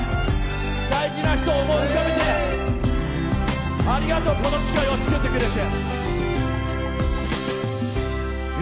大事な人への思いを込めてありがとう、この機会を作ってくれて。